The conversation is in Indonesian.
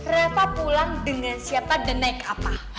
reva pulang dengan siapa dan naik apa